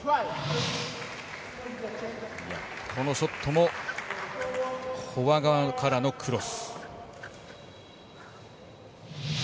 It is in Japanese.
このショットもフォア側からのクロス。